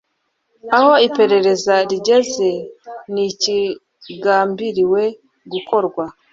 aho iperereza rigeze n'ikigambiriwe gukorwa